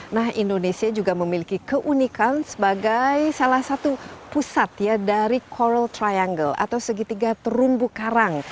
nah indonesia juga memiliki keunikan sebagai salah satu pusat ya dari coral triangle atau segitiga terumbu karang